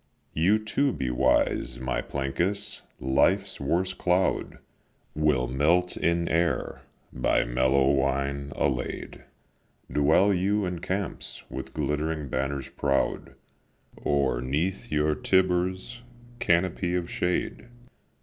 You too be wise, my Plancus: life's worst cloud Will melt in air, by mellow wine allay'd, Dwell you in camps, with glittering banners proud, Or 'neath your Tibur's canopy of shade.